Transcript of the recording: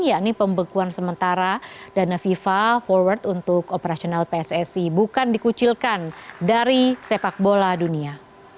yakni pembekuan sementara dana fifa forward untuk operasional pssi bukan dikucilkan dari sepak bola dunia